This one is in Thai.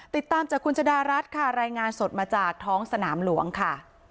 ติดตามจากคุณชะดารัฐค่ะรายงานสดมาจากท้องสนามหลวงค่ะ